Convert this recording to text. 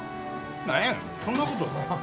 何やねんそんなことか。